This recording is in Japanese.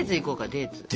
デーツ！